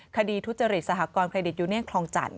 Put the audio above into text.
ทุจริตสหกรณเครดิตยูเนียนคลองจันท